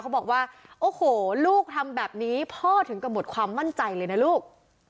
เขาบอกว่าโอ้โหลูกทำแบบนี้พ่อถึงกับหมดความมั่นใจเลยนะลูก